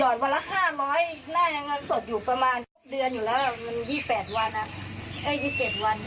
หยอดวันละ๕๐๐บาทหน้าเงินสดอยู่ประมาณ๖เดือนอยู่แล้ว